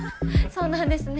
そうなんですね。